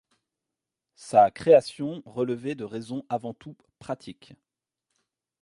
Sa création relevait de raisons avant tout pratiques.